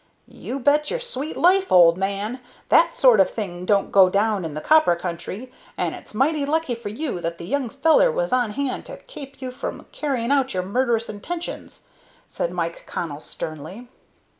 "You bet your sweet life, old man! That sort of thing don't go down in the copper country, and it's mighty lucky for you that the young feller was on hand to kape you from carrying out your murderous intentions," said Mike Connell, sternly.